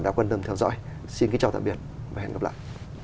đã quan tâm theo dõi xin kính chào tạm biệt và hẹn gặp lại